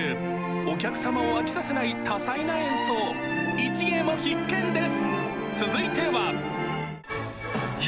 お客様を飽きさせない多彩な演奏一芸も必見です